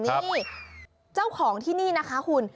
นี่เจ้าของที่นี่นะคะคุณ